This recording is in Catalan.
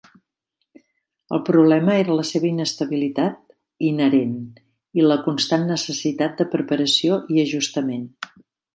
El problema era la seva inestabilitat inherent i la constant necessitat de preparació i ajustament.